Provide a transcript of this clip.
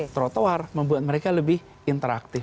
trotoar membuat mereka lebih interaktif